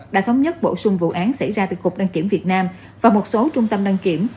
đã thống nhất bổ sung vụ án xảy ra từ cục đăng kiểm việt nam và một số trung tâm đăng kiểm